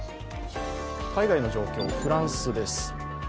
海外の状況、フランスです。